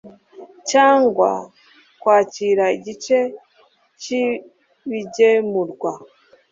cyangwa kwakira igice cy ibigemurwa